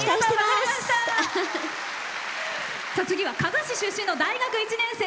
次は加賀市出身の大学１年生。